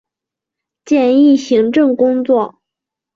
简易行政工作